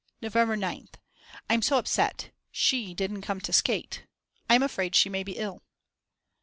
November 9th. I'm so upset; she didn't come to skate. I'm afraid she may be ill.